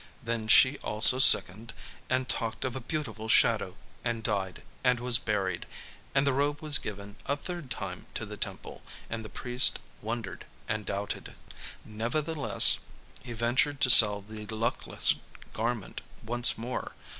Then she also sickened, and talked of a beautiful shadow, and died, and was buried. And the robe was given a third time to the temple; and the priest wondered and doubted. Nevertheless he ventured to sell the luckless garment once more.